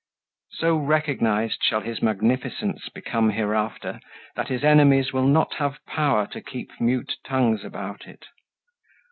So recognized shall his magnificence Become hereafter, that his enemies Will not have power to keep mute tongues about it.